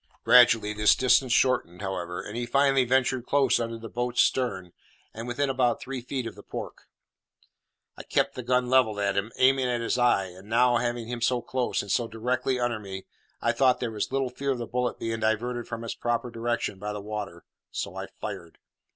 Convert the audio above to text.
Gradually this distance shortened, however, and he finally ventured close under the boat's stern, and within about three feet of the pork. I kept the gun levelled at him, aiming at his eye; and now, having him so close, and so directly under me, I thought there was little fear of the bullet being diverted from its proper direction by the water, so I fired.